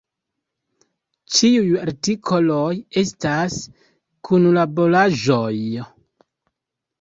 Ĉiuj artikoloj estas kunlaboraĵoj.